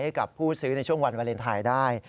ให้กับผู้ซื้อในช่วงวันวาเลนไทยได้